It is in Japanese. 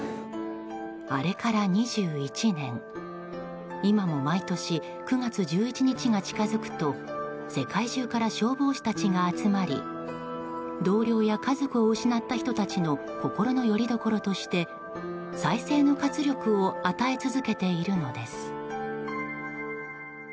あれから２１年今も毎年、９月１１日が近づくと世界中から消防士たちが集まり同僚や家族を失った人たちの心のよりどころとして再生の活力を与え続けているのです。